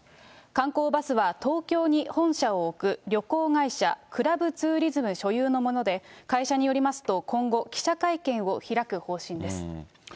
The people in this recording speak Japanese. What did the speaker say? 観光バスは、東京に本社を置く旅行会社、クラブツーリズム所有のもので、会社によりますと、今後、記者会見を開く方針です。